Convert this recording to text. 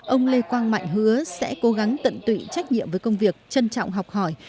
ông lê quang mạnh hứa sẽ cố gắng tận tụy trách nhiệm với công việc trân trọng học hỏi